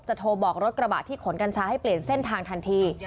โทรบอกรถกระบะที่ขนกัญชาให้เปลี่ยนเส้นทางทันที